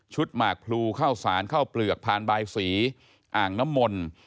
ชุดหมากพลูเข้าสานเข้าเปลือกผ่านใบสีอ่างน้ำมน